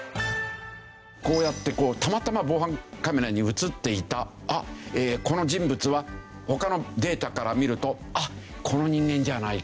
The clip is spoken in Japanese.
こうやってたまたま防犯カメラに映っていたこの人物は他のデータから見るとあっこの人間じゃないか？